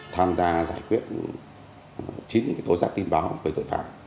tham gia giải quyết chín tố giác tin báo về tội phạm